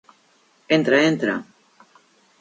Entra, entra!